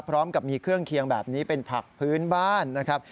พร้อมกับมีเครื่องเคียงแบบนี้เป็นผักพื้นบ้านนะครับ